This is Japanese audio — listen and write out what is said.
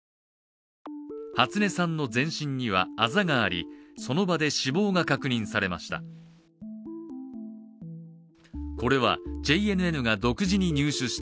初音さんの全身にはあざがありその場で死亡が確認されました。